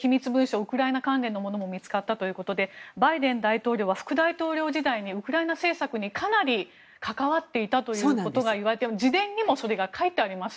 ウクライナ関連のものも見つかったということでバイデン大統領は副大統領時代にウクライナ政策にかなり関わっていたということが言われていて自伝にもそれが書いてあります。